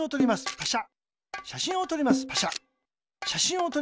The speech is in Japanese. パシャ。